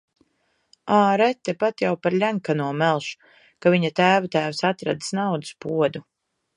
Āre, tepat jau par Ļenkano melš, ka viņa tēva tēvs atradis naudas podu.